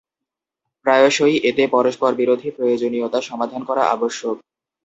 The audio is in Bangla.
প্রায়শই, এতে পরস্পরবিরোধী প্রয়োজনীয়তা সমাধান করা আবশ্যক।